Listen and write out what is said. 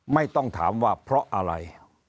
ไม่ต้องถามว่าเพราะอะไร